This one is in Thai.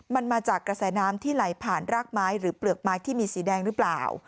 มันมาจากกระแสน้ำที่ไหลผ่านรากไม้หรือเปลือกไม้ที่มีสีแดงหรือเปล่า